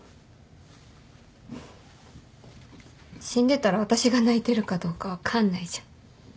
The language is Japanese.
死んでたら私が泣いてるかどうか分かんないじゃん。